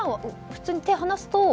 普通に手を放すと。